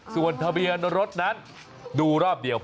ส่วนทะเบียนรถนั้นดูรอบเดียว